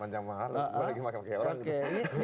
delapan jam lalu gue lagi makan makan orang